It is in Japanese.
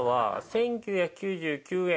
１９９９円